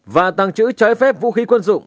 và tăng trữ trái phép vũ khí quân dụng